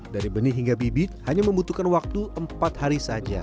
dari benih hingga bibit hanya membutuhkan waktu empat hari saja